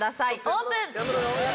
オープン！